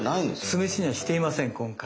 酢飯にはしていません今回。